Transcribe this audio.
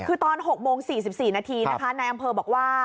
คือตอน๖โมง๔๔นาทีนะคะนายอำเภอบอกว่า